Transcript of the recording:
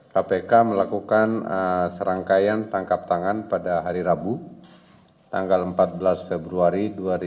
kpk melakukan serangkaian tangkap tangan pada hari rabu tanggal empat belas februari dua ribu dua puluh